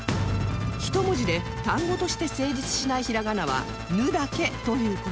１文字で単語として成立しないひらがなは「ぬ」だけという事